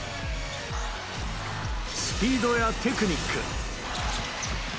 スピードやテクニック。